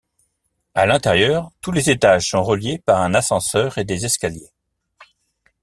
À l'intérieur, tous les étages sont reliés par un ascenseur et des escaliers.